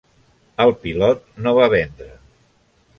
El pilot no va vendre.